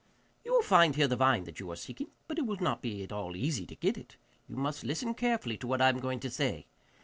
'You will find here the vine that you are seeking, but it will not be at all easy to get it. You must listen carefully to what I am going to say.